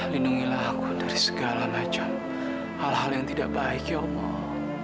lindungilah aku dari segala macam hal hal yang tidak baik ya allah